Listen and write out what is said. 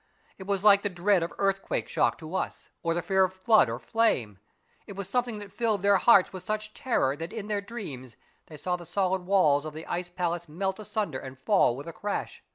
It was like the dread of earthquake shock to us, or the fear of flood or flame. It was something that filled their hearts with such terror that in their dreams they saw the solid walls of the ice palace melt asunder and fall with a crash.